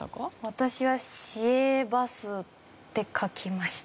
私は市営バスって書きました。